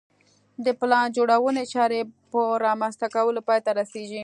د پلان جوړونې چارې په رامنځته کولو پای ته رسېږي